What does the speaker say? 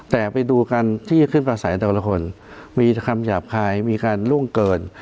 แต่ไปดูกันที่จะขึ้นประสัยแต่ละคนมีคำหยาบคายมีการล่วงเกิน